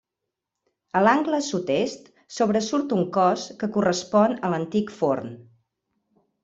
A l'angle Sud-est sobresurt un cos que correspon a l'antic forn.